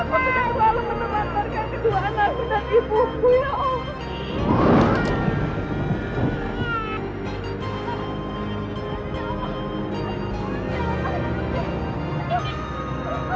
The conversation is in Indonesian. jadi kalau misalnya ibu mau lihat ibu pasti mau pulang ayah